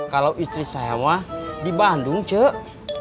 kalau istri saya mah di bandung cek